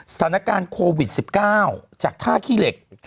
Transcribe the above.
สถานการณ์โควิด๑๙จากท่าขี้เหล็ก